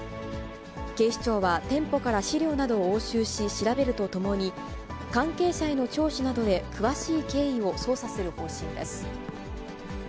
警視庁は店舗から資料などを押収し、調べるとともに、関係者への聴取などで詳しい経緯を捜査する方針です。